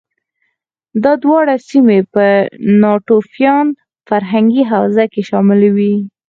دا دواړه سیمې په ناتوفیان فرهنګي حوزه کې شاملې وې